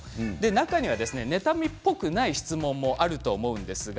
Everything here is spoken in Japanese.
中には妬みっぽくない質問もあると思います。